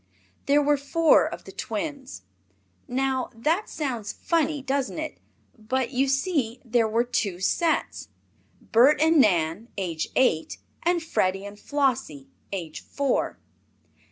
There were four of the twins. Now that sounds funny, doesn't it? But, you see, there were two sets. Bert and Nan, age eight, and Freddie and Flossie, age four.